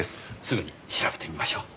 すぐに調べてみましょう。